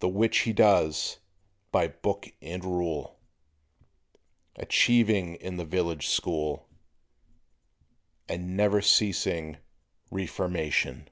The which he does "by book and rule," Achieving in the village school A never ceasing reformation.